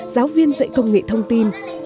doanh nghiệp thông tin